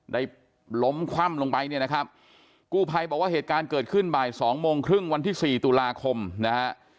ได้ล้มคว่ำลงไปเนี่ยนะครับกู้ภัยบอกว่าเหตุการณ์เกิดขึ้นบ่าย๒๓๐วันที่๔ตุลาคมนะครับ